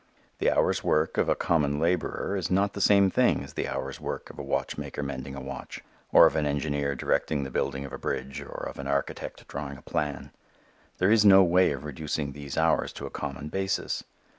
The hour's work of a common laborer is not the same thing as the hour's work of a watchmaker mending a watch, or of an engineer directing the building of a bridge, or of an architect drawing a plan. There is no way of reducing these hours to a common basis.